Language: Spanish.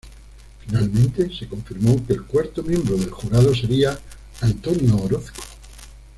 Finalmente, se confirmó que el cuarto miembro del jurado sería Antonio Orozco.